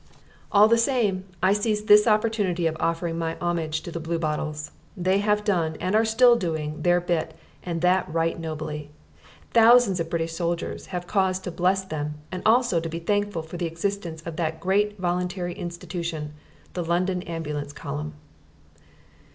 All the same I seize this opportunity of offering my homage to the Bluebottles. They have done are still doing their bit, and that right nobly. Thousands of British soldiers have cause to bless them and also to be thankful for the existence of that great voluntary institution, the London Ambulance Column.